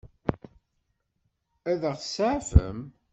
Ad ɣ-seɛfen?